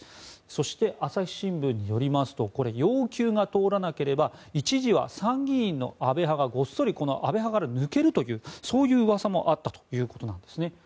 そして、朝日新聞によりますと要求が通らなければ一時は参議院の安倍派がごっそりこの安倍派から抜けるというそういううわさもあったということです。